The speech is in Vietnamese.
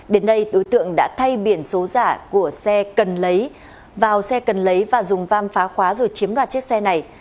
đến nay đối tượng đã thay biển số giả của xe cần lấy vào xe cần lấy và dùng vam phá khóa rồi chiếm đoạt chiếc xe này